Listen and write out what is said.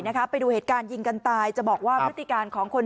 นะคะไปดูเหตุการณ์ยิงกันตายจะบอกว่าพฤติการของคน